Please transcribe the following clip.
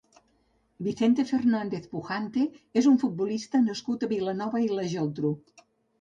Vicente Fernández Pujante és un futbolista nascut a Vilanova i la Geltrú.